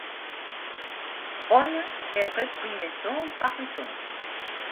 Polle est repris maison par maison.